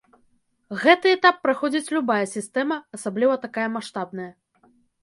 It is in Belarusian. Гэты этап праходзіць любая сістэма, асабліва такая маштабная.